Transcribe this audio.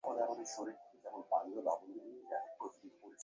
সুতরাং আধ্যাত্মিক তত্ত্বানুভূতির ক্ষেত্র ইন্দ্রিয়ানুভূতির বাহিরে।